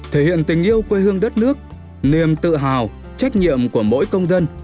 thể hiện tình yêu quê hương đất nước niềm tự hào trách nhiệm của mỗi công dân